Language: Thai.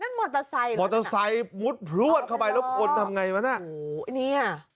มอเตอร์ไซค์มอเตอร์ไซค์มุดพลวดเข้าไปแล้วคนทำไงวะน่ะโอ้โหเนี้ย